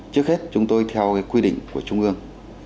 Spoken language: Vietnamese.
trước hết chúng tôi theo quy định của trung ương